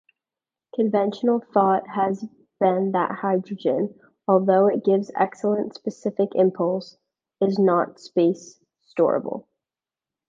Conventional thought has been that hydrogen-although it gives excellent specific impulse-is not space storable.